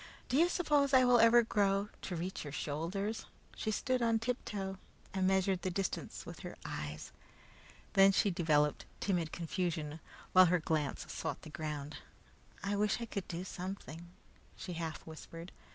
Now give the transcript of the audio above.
"Do you suppose I ever will grow to reach your shoulders?" She stood on tiptoe and measured the distance with her eyes. Then she developed timid confusion, while her glance sought the ground. "I wish I could do something," she half whispered.